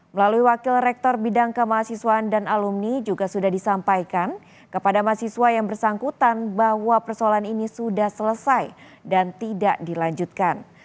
melalui wakil rektor bidang kemahasiswaan dan alumni juga sudah disampaikan kepada mahasiswa yang bersangkutan bahwa persoalan ini sudah selesai dan tidak dilanjutkan